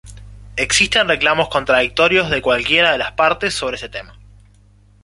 Existen reclamos contradictorios de cualquiera de las partes sobre este tema.